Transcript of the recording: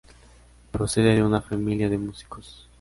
Procede de una familia de músicos.